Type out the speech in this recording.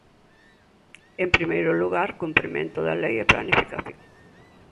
En primeiro lugar, cumprimento da lei e planificación.